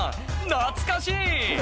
懐かしい！